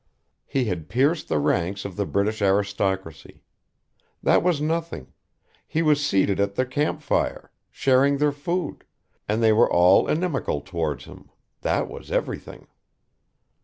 He had pierced the ranks of the British Aristocracy; that was nothing he was seated at their camp fire, sharing their food, and they were all inimical towards him; that was everything.